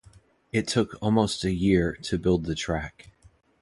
It took almost a year to build the track.